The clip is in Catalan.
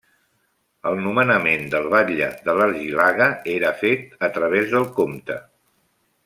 El nomenament del batlle de l’Argilaga era fet a través del comte.